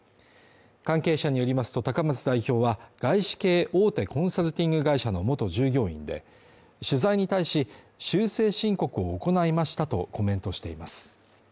関係者によりますと高松代表は外資系大手コンサルティング会社の元従業員で取材に対し、修正申告を行いましたとコメントしています。